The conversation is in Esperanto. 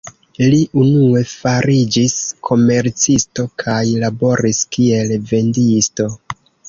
Li unue fariĝis komercisto kaj laboris kiel vendisto.